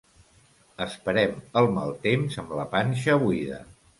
Esperem el mal temps amb la panxa buida.